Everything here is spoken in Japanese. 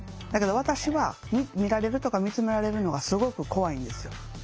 だけど私は見られるとか見つめられるのがすごく怖いんですよ。